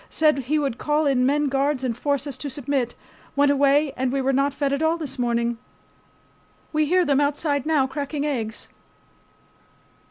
Said he would call in men guards and force us to submit. Went away and we were not fed at all this morning. We hear them outside now cracking eggs.